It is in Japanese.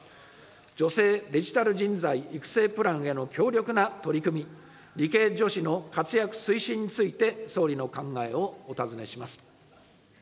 女性デジタル人材育成プランへの強力な取り組み、理系女子の活躍推進について、総理の考えをお尋ねします。